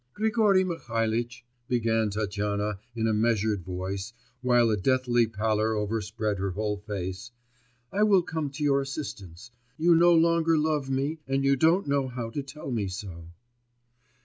'Grigory Mihalitch,' began Tatyana in a measured voice while a deathly pallor overspread her whole face, 'I will come to your assistance, you no longer love me, and you don't know how to tell me so.